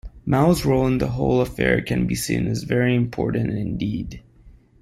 Mao's role in the whole affair can be seen as very important indeed.